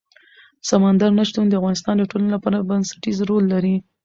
سمندر نه شتون د افغانستان د ټولنې لپاره بنسټيز رول لري.